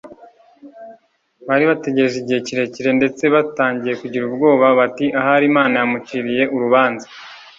Bari bategereje igihe kirekire, ndetse batangiye kugira ubwoba, bati ahari Imana yamuciriye urubanza